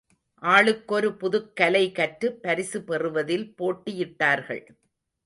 ஆளுக்கொரு புதுக் கலை கற்று, பரிசு பெறுவதில் போட்டியிட்டார்கள்.